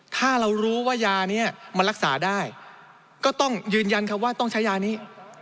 ถ้าเรารู้ว่ายานี้มันรักษาได้ก็ต้องยืนยันคำว่าต้องใช้ยานี้